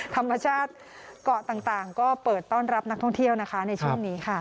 ธรรมชาติเกาะต่างก็เปิดต้อนรับนักท่องเที่ยวนะคะในช่วงนี้ค่ะ